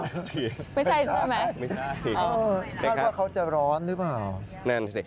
ไม่ใช่ใช่ไหมอ๋อเดี๋ยวคิดว่าเขาจะร้อนหรือเปล่านั่นสิ